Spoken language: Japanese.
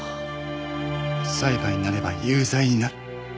裁判になれば有罪になる。